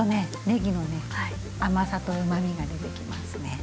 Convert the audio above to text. ねぎの甘さとうまみが出てきますね。